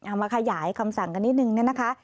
มาขยายคำสั่งกันนิดนึงนะคะ